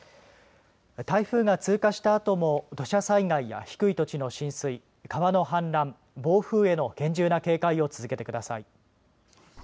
台風が通過したあとも土砂災害や低い土地の浸水川の氾濫、暴風への厳重な警戒を続けてください。